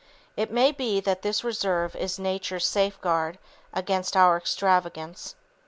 It may be that this reserve is Nature's safeguard against our extravagance.